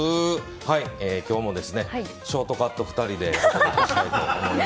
今日もショートカット２人でお伝えしたいと思います。